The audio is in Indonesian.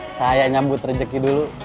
saya nyambut rejeki dulu